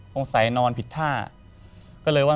ผมใส่นอนผิดท่า